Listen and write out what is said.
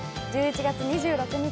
１１月２６日